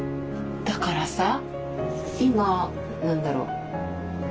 だからさ何だろう。